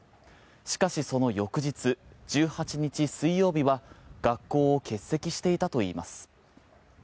しかし、その翌日１８日、水曜日は学校を欠席していたといいます。